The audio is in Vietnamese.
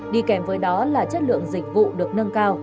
đi kèm với đó là chất lượng dịch vụ được nâng cao